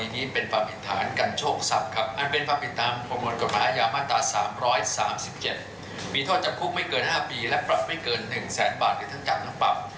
มีโทษจำคุกไม่เกิน๕ปีและปรับไม่เกิน๑แสนบาทหรือทั้งจำทั้งปรับ